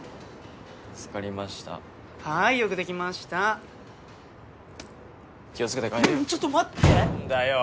助かりましたはいよくできました気をつけて帰れよちょっと待ってんだよ？